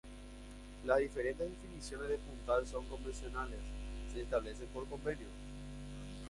Las diferentes definiciones de puntal son convencionales: se establecen por convenio.